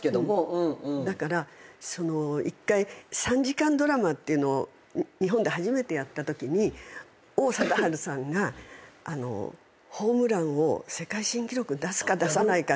だから１回３時間ドラマを日本で初めてやったときに王貞治さんがホームランを世界新記録出すか出さないかっていうときが。